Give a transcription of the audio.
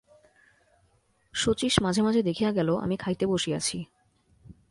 শচীশ মাঝে মাঝে দেখিয়া গেল আমি খাইতে বসিয়াছি।